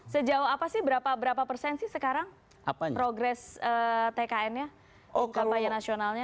sejauh apa sih berapa persen sih sekarang progres tkn nya kampanye nasionalnya